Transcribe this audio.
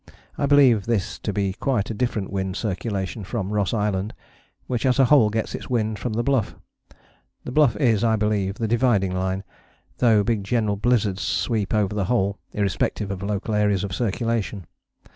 I believe this to be quite a different wind circulation from Ross Island, which as a whole gets its wind from the Bluff. The Bluff is, I believe, the dividing line, though big general blizzards sweep over the whole, irrespective of local areas of circulation.